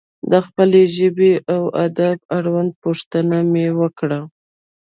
د خپلې ژبې و ادب اړوند پوښتنه مې وکړه.